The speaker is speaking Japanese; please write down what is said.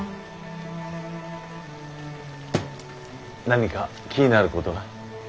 何か気になることが？